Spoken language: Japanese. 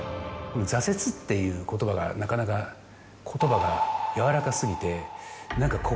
「挫折」っていう言葉がなかなか言葉が軟らか過ぎて。